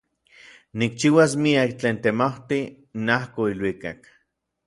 Nikchiuas miak tlen temautij najko iluikak.